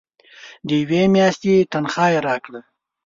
د یوې میاشتي تنخواه یې راکړه.